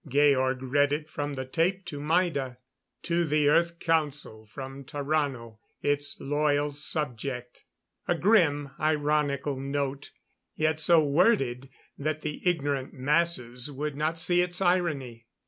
Georg read it from the tape to Maida: "To the Earth Council from Tarrano, its loyal subject " A grimly ironical note, yet so worded that the ignorant masses would not see its irony.